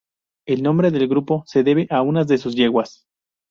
El nombre del grupo se debe a una de sus yeguas.